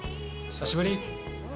久しぶり。